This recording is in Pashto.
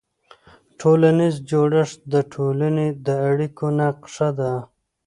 ټولنیز جوړښت د ټولنې د اړیکو نقشه ده.